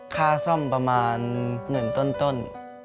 ค่าซ่อมประมาณหมื่นต้น